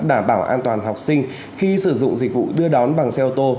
đảm bảo an toàn học sinh khi sử dụng dịch vụ đưa đón bằng xe ô tô